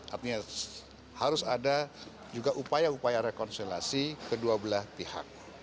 artinya harus ada juga upaya upaya rekonsilasi kedua belah pihak